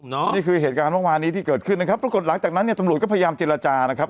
นี่คือเหตุการณ์เมื่อวานนี้ที่เกิดขึ้นนะครับปรากฏหลังจากนั้นเนี่ยตำรวจก็พยายามเจรจานะครับ